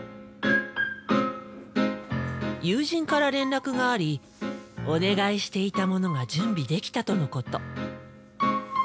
友人から連絡がありお願いしていたものが準備できたとのこと。